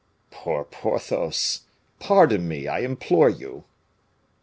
"Poor Porthos! pardon me, I implore you!"